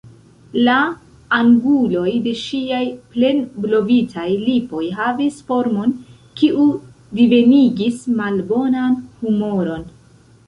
La anguloj de ŝiaj plenblovitaj lipoj havis formon, kiu divenigis malbonan humoron.